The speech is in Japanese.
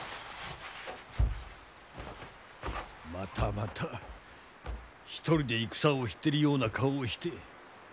またまた一人で戦をしてるような顔をして。